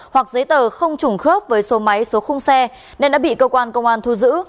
hoặc giấy tờ không trùng khớp với số máy số khung xe nên đã bị cơ quan công an thu giữ